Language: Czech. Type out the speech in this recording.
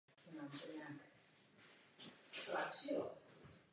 Široké rozšíření automatických pušek nastalo po skončení druhé světové války.